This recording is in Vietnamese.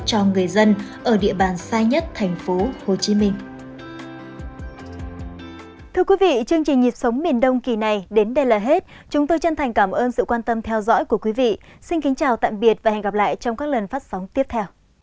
cho người dân ở địa bàn xa nhất thành phố hồ chí minh